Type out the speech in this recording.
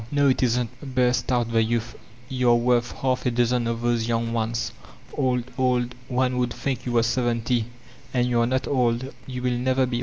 •*No, it isn't," burst out the youth. 'Tou're worth half a dozen of those young ones. Old, old— one would think you were seventy. And you're not old; you will never beoU."